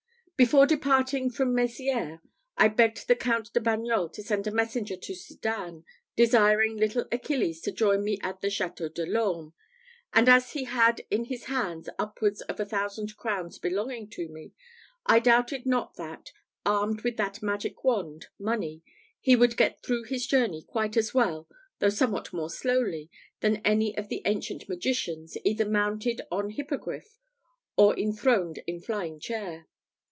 Before departing from Mezières, I begged the Count de Bagnols to send a messenger to Sedan, desiring little Achilles to join me at the Château de l'Orme; and as he had in his hands upwards of a thousand crowns belonging to me, I doubted not that, armed with that magic wand, money, he would get through his journey quite as well, though somewhat more slowly, than any of the ancient magicians, either mounted on hippogriff, or enthroned in flying chair.